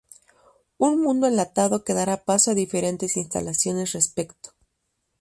Un mundo enlatado que dará paso a diferentes instalaciones respecto.